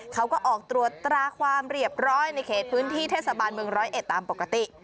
เขาก็ออกตรวจตราความเรียบร้อยในเขตพื้นที่เทศบาลเมืองร้อยเอ็ดตามปกติ